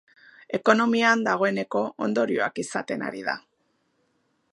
Ekonomian dagoeneko ondorioak izaten ari da.